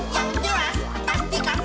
yang jelas pasti kak viru